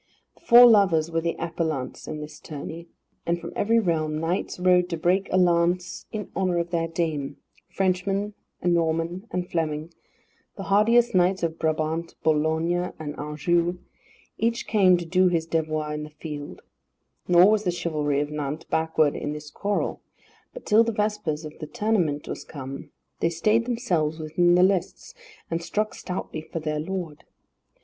The four lovers were the appellants in this tourney, and from every realm knights rode to break a lance in honour of their dame. Frenchman and Norman and Fleming; the hardiest knights of Brabant, Boulogne and Anjou; each came to do his devoir in the field. Nor was the chivalry of Nantes backward in this quarrel, but till the vespers of the tournament was come, they stayed themselves within the lists, and struck stoutly for their lord.